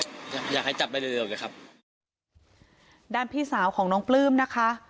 จับคนก่อนเห็นให้ด้านอยากให้จับไปเร็วเร็วเลยครับด้านพี่สาวของน้องปลื้มนะคะ